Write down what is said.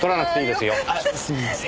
すみません。